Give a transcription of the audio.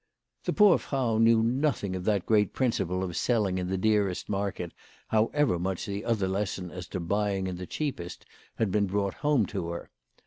The poor Frau knew nothing of that great principle of selling in the dearest market, however much the other lesson as to buying in the cheapest had been brought home to her.